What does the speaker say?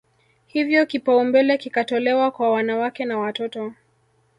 Hivyo kipaumbele kikatolewa kwa wanawake na watoto